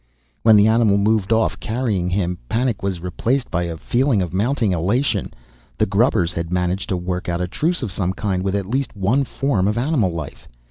When the animal moved off, carrying him, panic was replaced by a feeling of mounting elation. The grubbers had managed to work out a truce of some kind with at least one form of animal life.